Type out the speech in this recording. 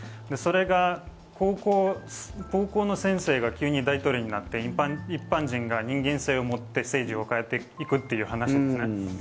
それが高校の先生が急に大統領になって一般人が人間性を持って政治を変えていくという話です。